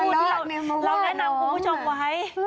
ทะเลาะในมหาวะน้องที่เราแนะนำคุณผู้ชมไว้